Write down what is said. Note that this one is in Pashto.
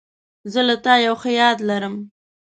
زه له تا یو ښه یاد لرم.